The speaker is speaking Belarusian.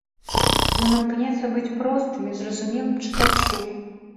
Ён імкнецца быць простым і зразумелым чытачу.